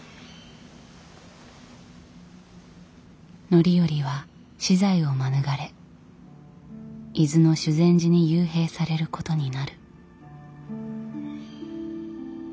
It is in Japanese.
範頼は死罪を免れ伊豆の修善寺に幽閉されることになる。